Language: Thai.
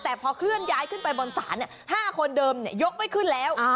แต่พอเคลื่อนย้ายขึ้นไปบนศาล๕คนเดิมยกไม่ขึ้นแล้ว